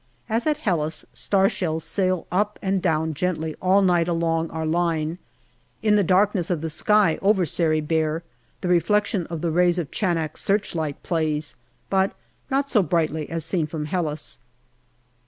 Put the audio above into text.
As at Helles, star shells sail up and down gently all night along our line. In the darkness of the sky over Sari Bair, the reflection of the rays of Chanak searchlight plays, but not so brightly as seen from Helles.